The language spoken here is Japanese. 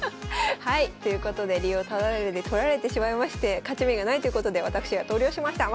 はいということで竜をタダで取られてしまいまして勝ち目がないということで私が投了しました。